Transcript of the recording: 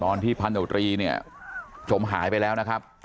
ตอนที่พันธุตรีเนี่ยจมหายไปแล้วนะครับ